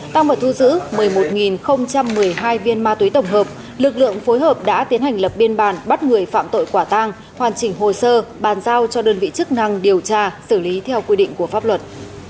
tăng vào thu giữ một mươi một một mươi hai viên ma túy tổng hợp lực lượng phối hợp đã tiến hành lập biên bản bắt người phạm tội quả tang hoàn chỉnh hồ sơ bàn giao cho đơn vị chức năng điều tra xử lý theo quy định của pháp luật